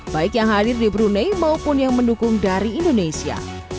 baik yang hadir di brunei maupun yang mendukung dari indonesia